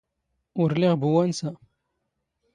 ⵓⵔ ⵍⵉⵖ ⴱⵓ ⵡⴰⵏⵙⴰ.